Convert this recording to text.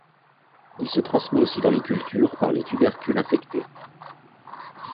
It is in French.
Il se transmet aussi dans les cultures par les tubercules infectés.